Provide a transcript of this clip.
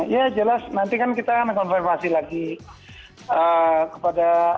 ya jelas nanti kan kita akan konfirmasi lagi kepada ini kan kementerian perintah